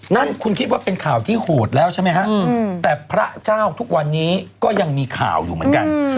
นั่นคุณคิดว่าเป็นข่าวที่โหดแล้วใช่ไหมฮะแต่พระเจ้าทุกวันนี้ก็ยังมีข่าวอยู่เหมือนกัน